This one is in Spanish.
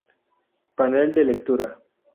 Panel de lectura.